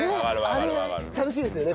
あれ楽しいですよね